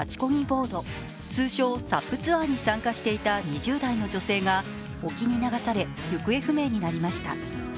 ボード、通称・ＳＵＰツアーに参加していた２０代の女性が沖に流され行方不明になりました。